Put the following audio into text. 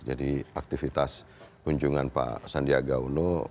jadi aktivitas kunjungan pak sandiaga uno